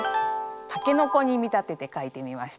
タケノコに見立てて書いてみました。